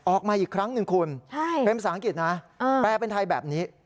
ออกมาอีกครั้งหนึ่งคุณเป็นภาษาอังกฤษนะแปลเป็นไทยแบบนี้